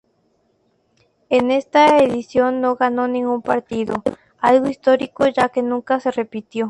En esta edición no ganó ningún partido, algo histórico, ya que nunca se repitió.